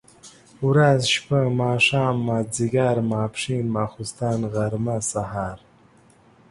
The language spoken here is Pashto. ورځ، شپه ،ماښام، ماځيګر، ماسپښن ، ماخوستن ، غرمه ،سهار،